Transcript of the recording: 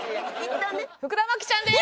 福田麻貴ちゃんです。